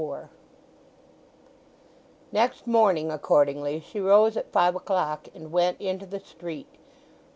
XXXIV. Next morning, accordingly, she rose at five o'clock and went into the street.